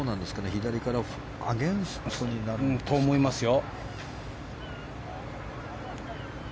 左からのアゲンストになるんですか。と思いますよ。